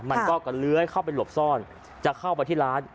มันก็กระเลื้อยเข้าไปหลบซ่อนจะเข้าไปที่ร้าน